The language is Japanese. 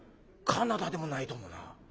カナダでもないと思うな。